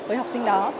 với học sinh đó